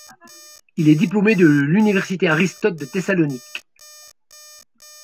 Il est diplômé de l'université Aristote de Thessalonique.